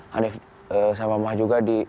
hanif sama mama juga